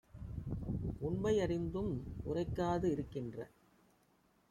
உண்மை யறிந்தும் உரைக்கா திருக்கின்ற